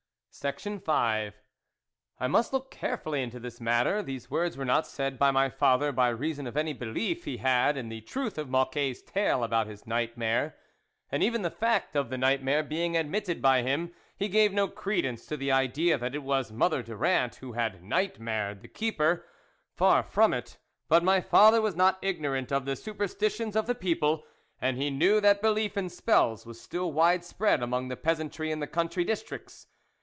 THE WOLF LEADER " T MUSTYookcarefullyintothismatter" these words were not said by my father by reason of any belief he had in the truth of Mocquet's tale about his nightmare ; and even the fact of the nightmare being admitted by him, he gave no credence to the idea that it was Mother Durand who had nightmared the keeper. Far from it; but my father was not ignorant of the superstitions of the people, and he knew that belief in spells was still wide spread among the peasantry in the country districts.